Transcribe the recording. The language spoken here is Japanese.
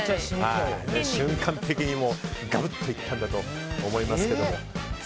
瞬間的にがぶっといったんだと思いますけど。